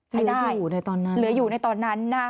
เหลืออยู่ในตอนนั้น